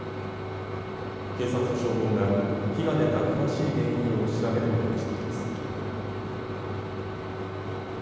警察と消防が火が出た詳しい原因を調べることにしています。